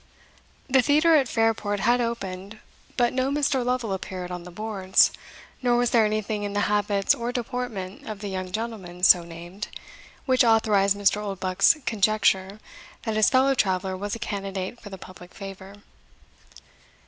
The theatre at Fairport had opened, but no Mr. Lovel appeared on the boards, nor was there anything in the habits or deportment of the young gentleman so named, which authorised Mr. Oldbuck's conjecture that his fellow traveller was a candidate for the public favour.